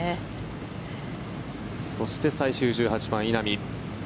そして最終１８番、稲見。